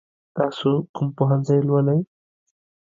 تاسو کوم پوهنځی لولئ؟